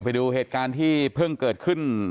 ไปดูเหตุการณ์ที่เพิ่งเกิดขึ้น